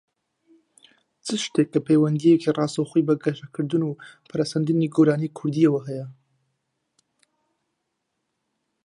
چ شتێکە پەیوەندییەکی ڕاستەوخۆی بە گەشەکردن و پەرەسەندنی گۆرانیی کوردییەوە هەیە؟